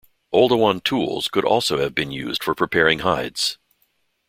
Oldowan tools could also have been used for preparing hides.